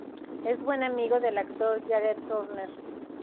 Es buen amigo del actor Jared Turner.